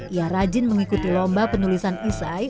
ia rajin mengikuti lomba penulisan isai